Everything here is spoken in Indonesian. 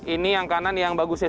ini yang kanan yang bagusnya